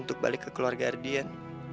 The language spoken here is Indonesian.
untuk balik ke keluarga ardian